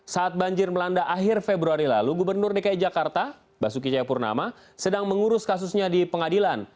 saat banjir melanda akhir februari lalu gubernur dki jakarta basuki cayapurnama sedang mengurus kasusnya di pengadilan